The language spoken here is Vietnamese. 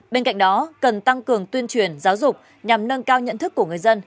bên cạnh đó cần tăng cường tuyên truyền giáo dục nhằm nâng cao nhận thức của người dân